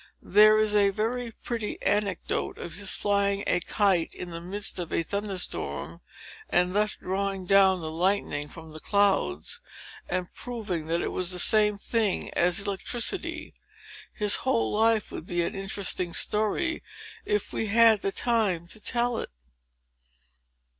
There is a very pretty anecdote of his flying a kite in the midst of a thunder storm, and thus drawing down the lightning from the clouds, and proving that it was the same thing as electricity. His whole life would be an interesting story, if we had time to tell it."